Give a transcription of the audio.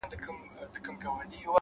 د زاړه عکس څنډې تل لږ تاو وي’